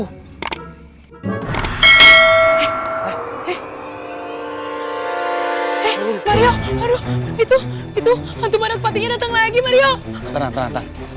eh yo itu itu tuh udah rate giro tenang tenang zach